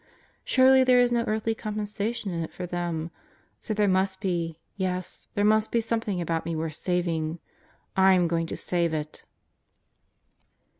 Surely, there is no earthly compensation in it for them. So there must be, yes there must be something about me worth saving. I'm going to save it!"